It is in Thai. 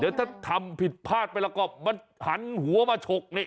เดี๋ยวถ้าทำผิดพลาดไปแล้วก็มันหันหัวมาฉกนี่